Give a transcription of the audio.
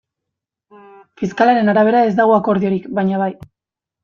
Fiskalaren arabera ez dago akordiorik, baina bai.